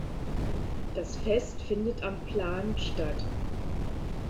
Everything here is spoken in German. Das Fest findet am "Plan" statt.